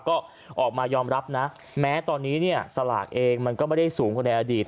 ก็ออกมายอมรับนะแม้ตอนนี้เนี่ยสลากเองมันก็ไม่ได้สูงกว่าในอดีต